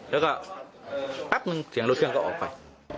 แล้วก็แป๊บนึงเสียงรถเครื่องก็ออกไป